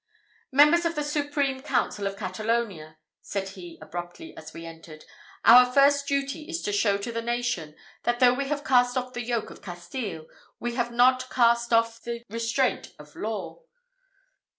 "Members of the Supreme Council of Catalonia," said he abruptly as we entered, "our first duty is to show to the nation, that though we have cast off the yoke of Castile, we have not cast off the restraint of law.